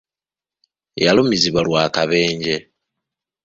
Yalumizibwa lw'akabenje.